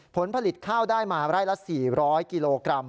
ผลผลิตข้าวได้มาไร่ละ๔๐๐กิโลกรัม